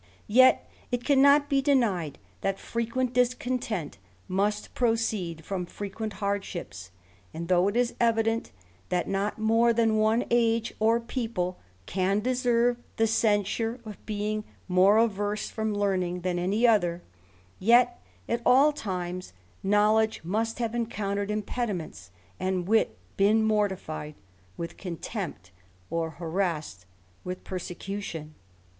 YeL it cannot be denied that frequent discontent must proceed from frequent hard ships ; and though it is evident, that not more than one age or people can deserve the censure of being more averse from learning than any other, yet at all times knowledge must have encountered impediments, and wit been morti fied with contempt, or harassed with persecution.